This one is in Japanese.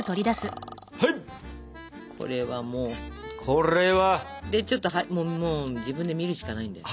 これは！でちょっともう自分で見るしかないんだよね。